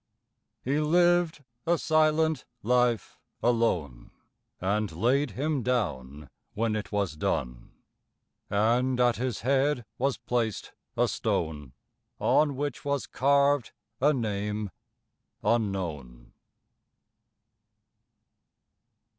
He lived a silent life alone, And laid him down when it was done; And at his head was placed a stone On which was carved a name unknown!